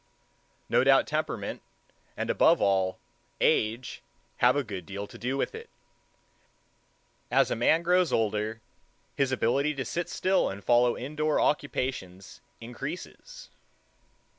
No doubt temperament, and, above all, age, have a good deal to do with it. As a man grows older, his ability to sit still and follow indoor occupations increases.